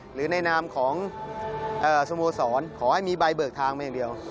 หรือในนามของสโมสรขอให้มีใบเบิกทางมาอย่างเดียว